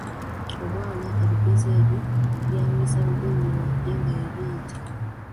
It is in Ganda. Omwana ebigezo ebyo byamuyisa bubi nnyo wadde nga yabiyita.